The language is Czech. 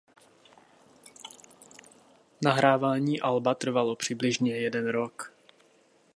Nahrávání alba trvalo přibližně jeden rok.